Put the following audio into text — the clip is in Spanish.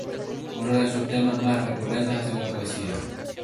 Uno de sus temas más recurrentes ha sido la poesía.